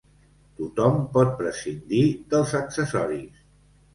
Tothom pot prescindir dels accessoris.